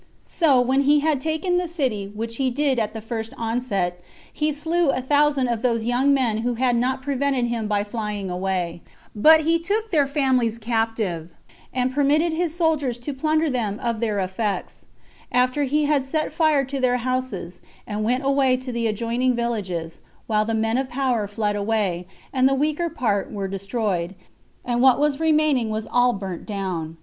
So when he had taken the city, which he did at the first onset, he slew a thousand of those young men who had not prevented him by flying away; but he took their families captive, and permitted his soldiers to plunder them of their effects; after which he set fire to their houses, and went away to the adjoining villages, while the men of power fled away, and the weaker part were destroyed, and what was remaining was all burnt down.